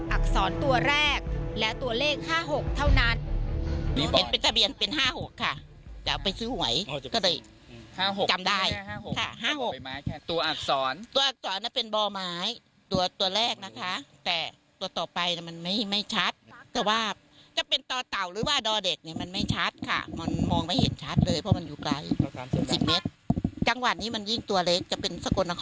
อักษรตัวแรกและตัวเลข๕๖เท่านั้น